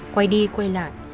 quay đi quay lại